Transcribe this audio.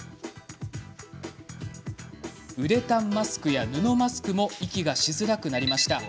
ウレタンマスクや布マスクも息がしづらくなりました。